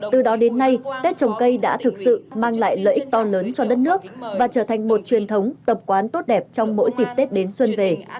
từ đó đến nay tết trồng cây đã thực sự mang lại lợi ích to lớn cho đất nước và trở thành một truyền thống tập quán tốt đẹp trong mỗi dịp tết đến xuân về